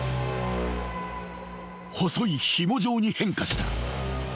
［細いひも状に変化した］